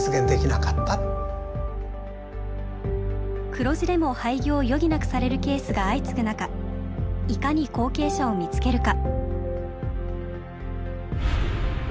黒字でも廃業を余儀なくされるケースが相次ぐ中いかに後継者を見つけるか。